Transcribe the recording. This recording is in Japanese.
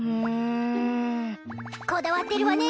こだわってるわね。